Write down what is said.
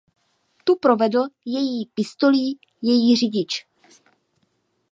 Tu provedl její pistolí její řidič.